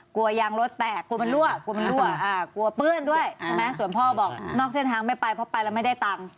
กลัวยางรถแตกกลัวมันรั่วกลัวมันรั่วกลัวเปื้อนด้วยใช่ไหมส่วนพ่อบอกนอกเส้นทางไม่ไปเพราะไปแล้วไม่ได้ตังค์